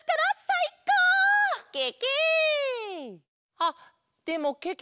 あっでもけけ